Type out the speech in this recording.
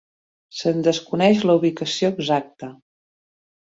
Se'n desconeix la ubicació exacta.